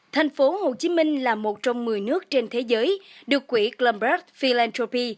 thành phố hồ chí minh là một trong một mươi nước trên thế giới được quỹ bloomberg philanthropies